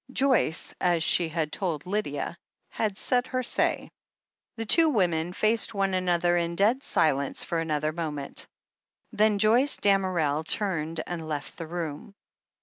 Joyce, as she had told Lydia, had said her say. The two women faced one another in dead silence for another moment. Then Joyce Damerel turned and left the room.